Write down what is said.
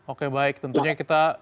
oke baik tentunya kita